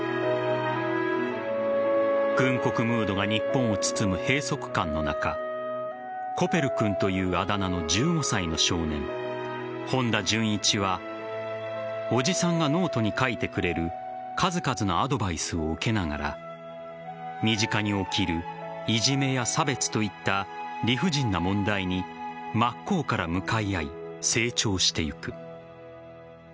軍国ムードが日本を包む閉塞感の中コペル君というあだ名の１５歳の少年本田潤一は叔父さんがノートに書いてくれる数々のアドバイスを受けながら身近に起きるいじめや差別といった理不尽な問題に真っ向から向かい合い成長していく。